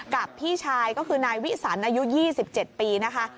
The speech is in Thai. พี่ชายก็คือนายวิสันอายุ๒๗ปีนะคะ